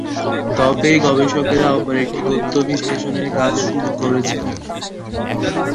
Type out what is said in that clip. তবে গবেষকেরা অপর একটি তত্ত্ব বিশ্লেষণের কাজ শুরু করেছেন।